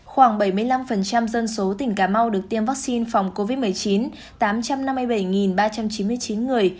khoảng bảy mươi năm dân số tỉnh cà mau được tiêm vaccine phòng covid một mươi chín tám trăm năm mươi bảy ba trăm chín mươi chín người